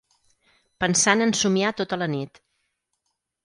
Pensant en somiar tota la nit.